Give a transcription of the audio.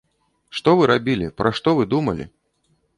Што вы рабілі, пра што вы думалі?